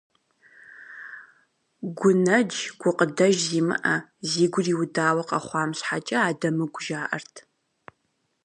Гунэдж, гукъыдэж зимыӏэ, зи гур иудауэ къэхъуам щхьэкӏэ адэмыгу жаӏэрт.